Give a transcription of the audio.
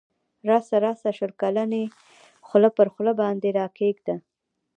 راسه راسه شل کلنی خوله پر خوله باندی را کښېږده